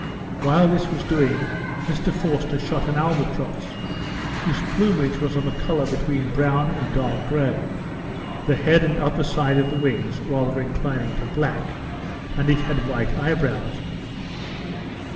While this was doing, Mr Forster shot an albatross, whose plumage was of a colour between brown and dark grey, the head and upper side of the wings rather inclining to black, and it had white eye brows.